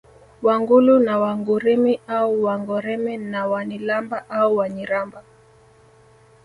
Wangulu na Wangurimi au Wangoreme na Wanilamba au Wanyiramba